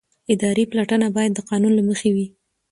اداري پلټنه باید د قانون له مخې وي.